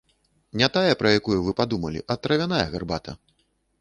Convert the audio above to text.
Не тая, пра якую вы падумалі, а травяная гарбата.